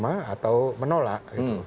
menerima atau menolak